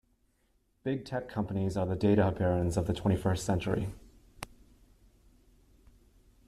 Big tech companies are the data barons of the twenty first century.